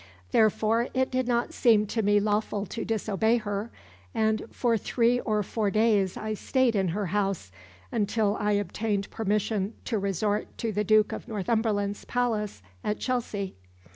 Therefore it did not seem to me lawful to disobey her, and for three or four days I stayed in her house, until I obtained permission to resort to the Duke of Northumberland's palace at Chelsea."